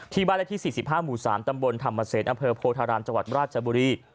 ที่บ้านอาทิตย์๔๕หมู่๓ตำบลธรรมเศสอำเภอโพธารามจบราชบุรี